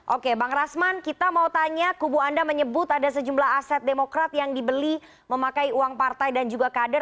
oke bang rasman kita mau tanya kubu anda menyebut ada sejumlah aset demokrat yang dibeli memakai uang partai dan juga kader